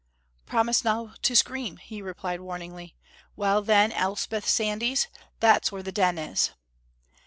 "Promise no to scream," he replied, warningly. "Well, then, Elspeth Sandys, that's where the Den is!"